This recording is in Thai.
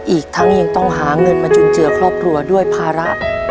อีกทั้งยังต้องหาเงินมาจุนเจือครอบครัวด้วยภาระ